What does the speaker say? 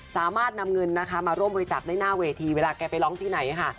สามารถนำเงินมาร่วมบทจักรในหน้าเวทีเวลาแกไปร้องที่ไหน